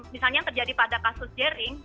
misalnya yang terjadi pada kasus jering